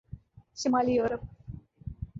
شمالی یورپ